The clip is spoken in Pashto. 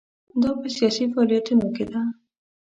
دا په سیاسي فعالیتونو کې ده.